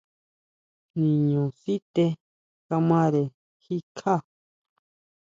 Niño sité kamare jikjá.